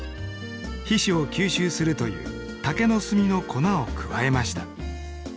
皮脂を吸収するという竹の炭の粉を加えました。